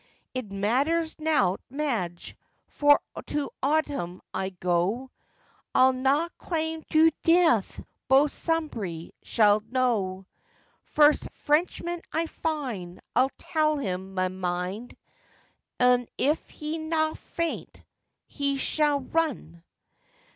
'It matters nowt, Madge, for to Owdham I'll go, I'll naw clam to deeoth, boh sumbry shalt know: Furst Frenchman I find, I'll tell him meh mind, Un if he'll naw feight, he shall run.